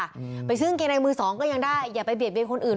อืมไปซื้อกางเกงในมือสองก็ยังได้อย่าไปเบียดเบียนคนอื่น